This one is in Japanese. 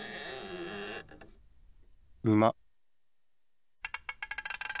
うま。